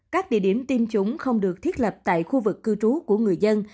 các địa điểm tiêm chủng không được thiết lập tại khu vực cư trú của người dân